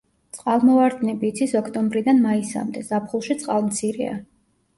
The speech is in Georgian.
წყალმოვარდნები იცის ოქტომბრიდან მაისამდე, ზაფხულში წყალმცირეა.